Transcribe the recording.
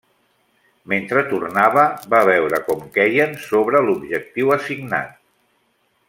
Mentre tornava, va veure com queien sobre l'objectiu assignat.